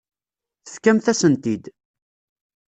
Tefkamt-asen-t-id.